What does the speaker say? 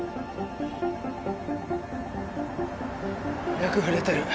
脈触れてる。